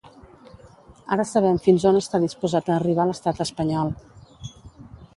Ara sabem fins on està disposat a arribar l’estat espanyol.